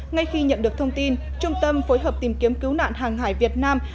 ngay khi nhận được thông tin trung tâm phối hợp tìm kiếm cứu nạn hàng hải việt nam